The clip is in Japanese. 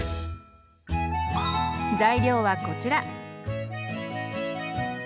材料はこちら。